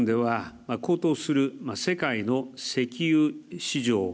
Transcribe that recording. Ｇ７では高騰する世界の石油市場